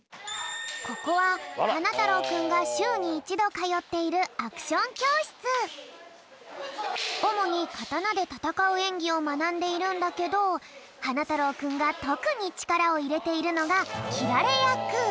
ここははなたろうくんがしゅうに１どかよっているおもにかたなでたたかうえんぎをまなんでいるんだけどはなたろうくんがとくにちからをいれているのがきられやく。